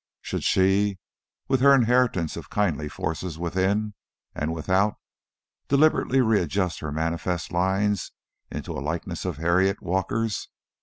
Should she, with her inheritance of kindly forces within and without, deliberately readjust her manifest lines into a likeness of Harriet Walker's?